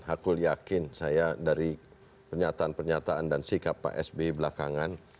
aku yakin saya dari pernyataan pernyataan dan sikap pak sby belakangan